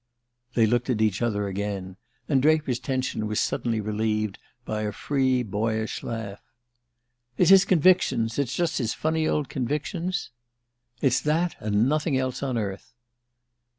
They looked at each other again, and Draper's tension was suddenly relieved by a free boyish laugh. "It's his convictions it's just his funny old convictions?" "It's that, and nothing else on earth!"